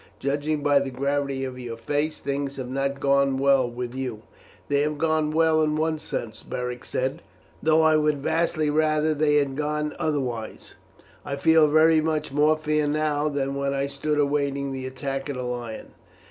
Judging by the gravity of your face, things have not gone well with you." "They have gone well in one sense," Beric said, "though I would vastly rather that they had gone otherwise. I feel very much more fear now than when I stood awaiting the attack of the lion."